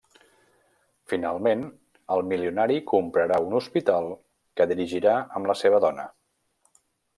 Finalment, el milionari comprarà un hospital que dirigirà amb la seva dona.